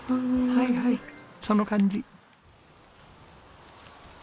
はいはいその感じ。